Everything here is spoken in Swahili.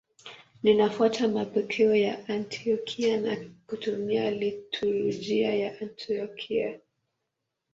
Linafuata mapokeo ya Antiokia na kutumia liturujia ya Antiokia.